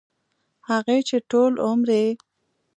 هغـې چـې ټـول عـمر يـې